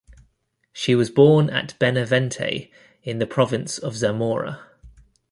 She was born at Benavente, in the province of Zamora.